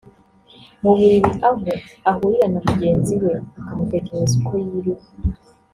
mu buriri aho ahurira na mugenzi we akamutekerereza uko yiriwe